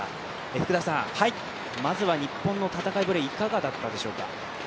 福田さん、まずは日本の戦いぶりはいかがだったでしょうか？